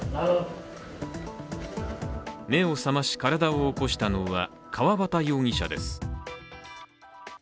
目を覚まし、体を起こしたのは川端容疑者です。